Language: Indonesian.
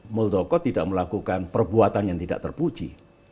muldoko tidak melakukan perbuatan yang tidak terpuji